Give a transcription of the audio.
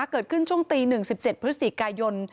เกิดขึ้นช่วงตีหนึ่งสิบเจ็ดพฤศจิกายน